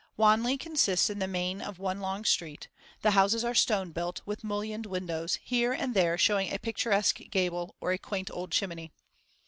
Wanley consists in the main of one long street; the houses are stone built, with mullioned windows, here and there showing a picturesque gable or a quaint old chimney.